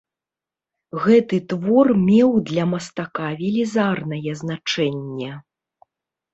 Гэты твор меў для мастака велізарнае значэнне.